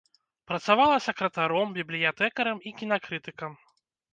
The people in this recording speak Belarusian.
Працавала сакратаром, бібліятэкарам і кінакрытыкам.